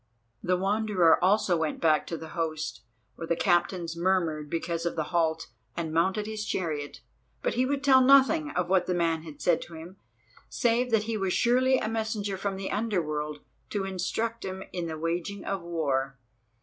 The Wanderer also went back to the host, where the captains murmured because of the halt, and mounted his chariot. But he would tell nothing of what the man had said to him, save that he was surely a messenger from the Under world to instruct him in the waging of the war.